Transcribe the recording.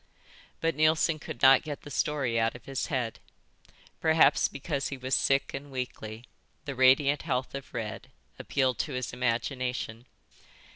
But Neilson could not get the story out of his head. Perhaps because he was sick and weakly, the radiant health of Red appealed to his imagination.